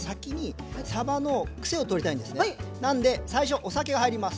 なんで最初お酒が入ります。